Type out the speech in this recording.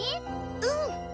うん。